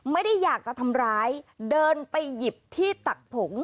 ไม่ได้อยากจะทำร้ายเดินไปหยิบที่ตักผง